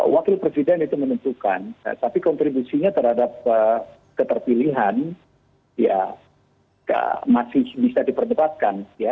wakil presiden itu menentukan tapi kontribusinya terhadap keterpilihan ya masih bisa diperdebatkan